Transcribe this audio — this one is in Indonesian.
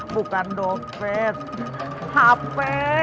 bukan dompet hp